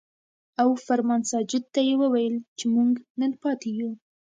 او فرمان ساجد ته يې وويل چې مونږ نن پاتې يو ـ